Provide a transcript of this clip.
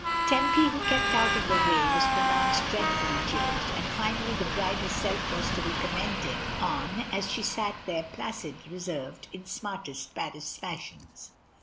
Tempy, who kept out of the way, was pro nounced "dreadftilly changed," and finally the bride herself was to be commented on as she sat there, placid, reserved, in smartest Paris fashions.